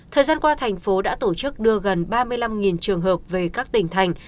thời gian qua thành phố đã tổ chức đưa gần ba mươi năm trường hợp về các tỉnh thành